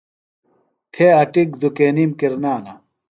تھے اٹیۡ دُکینِیم کرنانہ۔